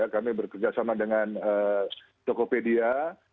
kami bekerjasama dengan tokopedia